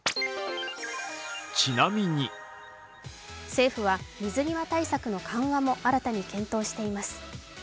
政府は水際対策の緩和も新たに検討しています。